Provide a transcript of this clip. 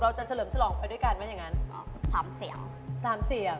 เราจะเฉลิมฉลองไปด้วยกันไหมอย่างนั้น